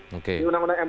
di undang undang md tiga